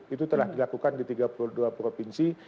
itu telah dilakukan di tiga puluh dua provinsi